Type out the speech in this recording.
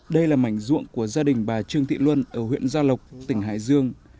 đây là mảnh ruộng của gia đình bà trương thị luân ở huyện gia lộc tỉnh hải dương